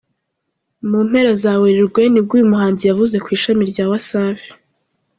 Mu mpera za werurwe nibwo uyu muhanzi yavuze ko ishami rya Wasafi.